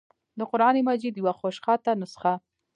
دَقرآن مجيد يوه خوشخطه نسخه